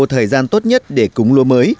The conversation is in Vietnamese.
thời gian tốt nhất để cúng lúa mới